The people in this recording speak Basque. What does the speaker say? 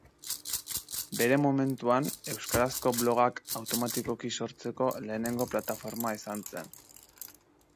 Bere momentuan euskarazko blogak automatikoki sortzeko lehenengo plataforma izan zen.